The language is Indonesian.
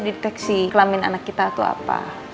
dideteksi kelamin anak kita atau apa